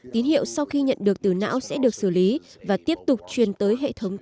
tín hiệu sau khi nhận được từ não sẽ được xử lý và tiếp tục truyền tới hệ thống